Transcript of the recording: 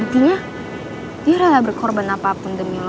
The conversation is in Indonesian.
buktinya dia rela berkorban apapun demi lo